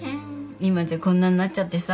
今じゃこんなんなっちゃってさ。